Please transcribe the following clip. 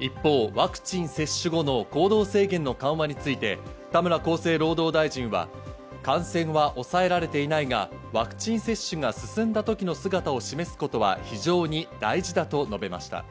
一方、ワクチン接種後の行動制限の緩和について田村厚生労働大臣は感染は抑えられていないが、ワクチン接種が進んだときの姿を示すことは非常に大事だと述べました。